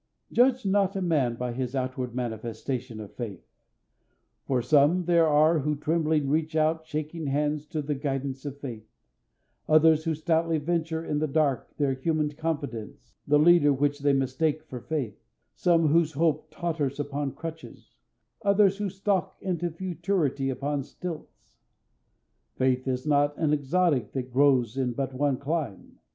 Judge not a man by his outward manifestation of faith, for some there are who tremblingly reach out shaking hands to the guidance of faith; others who stoutly venture in the dark their human confidence, the leader which they mistake for faith; some whose hope totters upon crutches; others who stalk into futurity upon stilts. Faith is not an exotic that grows in but one clime.